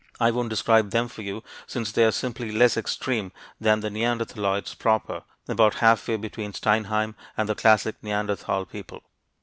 I won't describe them for you, since they are simply less extreme than the neanderthaloids proper about half way between Steinheim and the classic Neanderthal people.